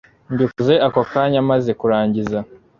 mbikoze ako kanya maze kurangiza